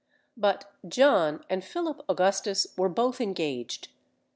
But John and Philip Augustus were both engaged.